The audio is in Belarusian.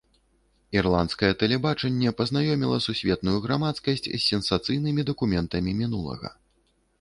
Ірландскае тэлебачанне пазнаёміла сусветную грамадскасць з сенсацыйнымі дакументамі мінулага.